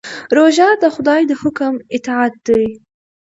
روژه د خدای د حکم اطاعت دی.